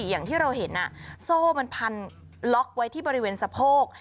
อย่างที่เราเห็นโซ่มันพันล็อกไว้ที่บริเวณสะโพก